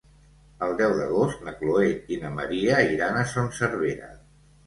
El deu d'agost na Chloé i na Maria iran a Son Servera.